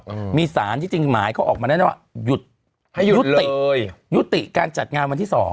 อืมมีสารที่จริงหมายเขาออกมาแล้วนะว่าหยุดให้ยุติยุติการจัดงานวันที่สอง